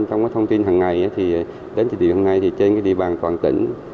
trong cái thông tin hàng ngày thì đến thời điểm hôm nay thì trên cái địa bàn toàn tỉnh